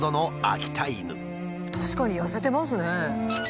確かに痩せてますね。